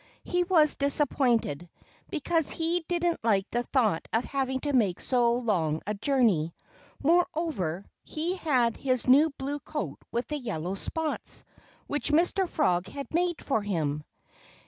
He was disappointed, because he didn't like the thought of having to make so long a journey. Moreover, he had his new blue coat with the yellow spots, which Mr. Frog had made for him.